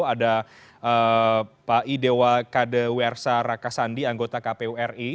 ada pak idewa kadewersa raka sandi anggota kpu ri